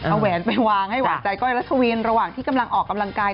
เอาแหวนไปวางให้หวานใจก้อยรัชวินระหว่างที่กำลังออกกำลังกาย